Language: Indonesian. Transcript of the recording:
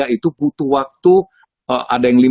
itu butuh waktu ada yang